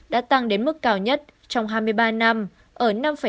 đã tăng đến mức cao nhất trong hai mươi ba năm ở năm hai mươi năm năm năm